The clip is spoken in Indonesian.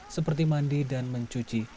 seperti mandi dan mencuci